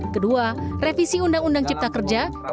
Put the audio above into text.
kedua revisi ruu cipta kerja